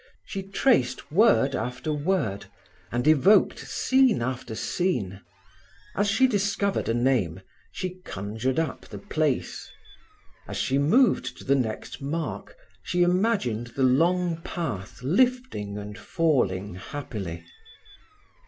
She traced word after word, and evoked scene after scene. As she discovered a name, she conjured up the place. As she moved to the next mark she imagined the long path lifting and falling happily.